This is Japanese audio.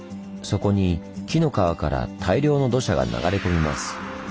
そこに紀の川から大量の土砂が流れ込みます。